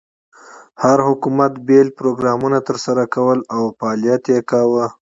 هر حکومت بېل پروګرامونه تر سره کول او فعالیت یې کاوه.